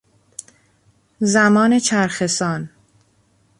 زمان چرخهسان